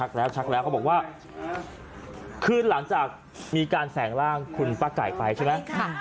ชักแล้วเขาบอกว่าคืนหลังจากมีการแฝงร่างคุณป้าไก่ไปใช่ไหม